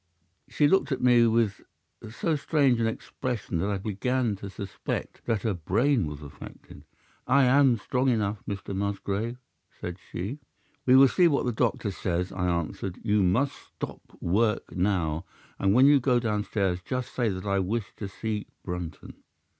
"'She looked at me with so strange an expression that I began to suspect that her brain was affected. "'"I am strong enough, Mr. Musgrave," said she. "'"We will see what the doctor says," I answered. "You must stop work now, and when you go downstairs just say that I wish to see Brunton."